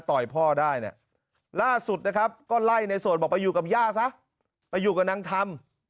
ต่อยพ่อได้เนี่ยล่าสุดนะครับก็ไล่ในโสดบอกไปอยู่กับย่าซะไปอยู่กับนางธรรม